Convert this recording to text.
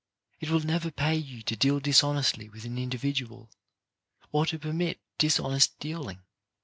It will never pay you to deal dishonestly with an individual, or to permit dishonest dealing.